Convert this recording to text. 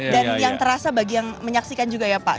dan yang terasa bagi yang menyaksikan juga ya pak